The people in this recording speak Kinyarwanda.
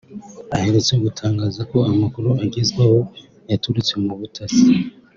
aherutse gutangaza ko amakuru agezwaho yaturutse mu butasi